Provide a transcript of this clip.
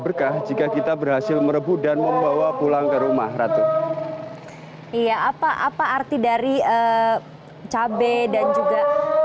berkah jika kita berhasil merebut dan membawa pulang ke rumah ratu iya apa apa arti dari cabai dan juga